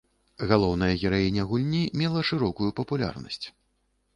Галоўная гераіня гульні мела шырокую папулярнасць.